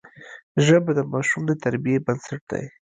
ژبه د ماشوم د تربیې بنسټ دی